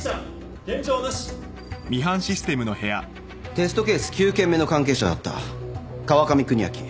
テストケース９件目の関係者だった川上邦明。